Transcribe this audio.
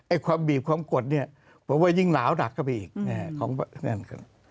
ไอ้ความบีบความกดเนี่ยมันว่ายิ่งหนาวหนักเข้าไปอีก